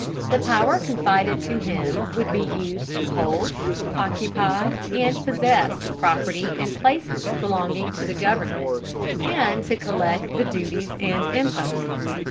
The power confided to him would be used to hold, occupy, and possess the property and places belonging to the government, and to collect the duties and imposts.